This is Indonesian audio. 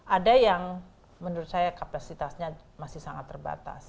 ada yang menurut saya kapasitasnya masih sangat terbatas